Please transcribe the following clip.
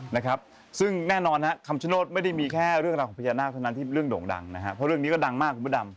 นะครับซึ่งแน่นอนฮะคำชโนธไม่ได้มีแค่เรื่องราวของพญานาคเท่านั้นที่เรื่องโด่งดังนะฮะเพราะเรื่องนี้ก็ดังมากคุณพระดำ